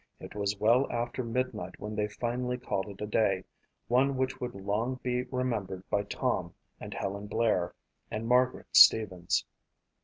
It was well after midnight when they finally called it a day, one which would long be remembered by Tom and Helen Blair and Margaret Stevens.